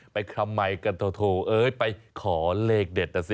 ทำไมกันโถเอ้ยไปขอเลขเด็ดนะสิ